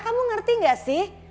kamu ngerti gak sih